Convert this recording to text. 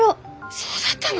そうだったの？